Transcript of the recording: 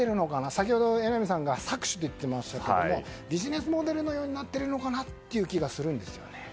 先ほど榎並さんが搾取と言ってましたけどビジネスモデルのようになっているような気がするんです。